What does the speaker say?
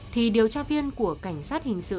thì điều tra viên của cảnh sát hình sự